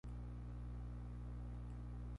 Su concepción, sus ideales, fallaban en un punto.